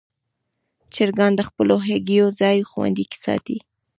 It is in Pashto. چرګان د خپلو هګیو ځای خوندي ساتي.